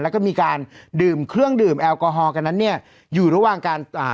แล้วก็มีการดื่มเครื่องดื่มแอลกอฮอลกันนั้นเนี่ยอยู่ระหว่างการอ่า